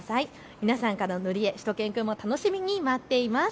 皆さんからの塗り絵、しゅと犬くんも楽しみに待っています。